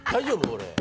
これ。